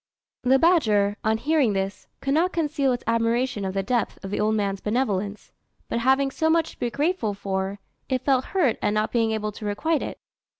The badger, on hearing this, could not conceal its admiration of the depth of the old man's benevolence; but having so much to be grateful for, it felt hurt at not being able to requite it.